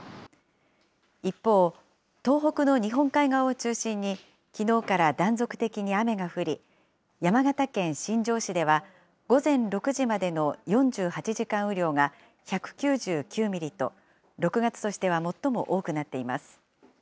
一方、東北の日本海側を中心に、きのうから断続的に雨が降り、山形県新庄市では午前６時までの４８時間雨量が１９９ミリと、６月としては最も多くなっています。